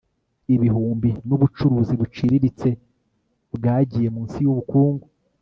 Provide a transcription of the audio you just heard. ibihumbi n'ubucuruzi buciriritse bwagiye munsi yubukungu